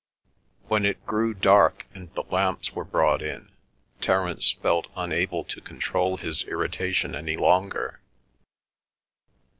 When it grew dark and the lamps were brought in, Terence felt unable to control his irritation any longer.